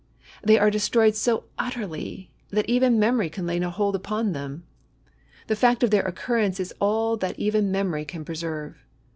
They are destroyed so utterly, that even memory can lay no hold upon them. The fact of their occurrence is all that even memory can preserve.